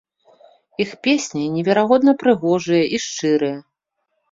Іх песні неверагодна прыгожыя і шчырыя.